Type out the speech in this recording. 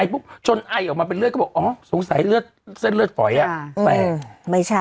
ไอ้ปุ๊บจนไอออกมาเป็นเลือดก็บอกอ๋อสงสัยเลือดเส้นเลือดประวัติประหลาดอืมไม่ใช่